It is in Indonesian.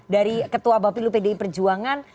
dari ketua bapilu pdi perjuangan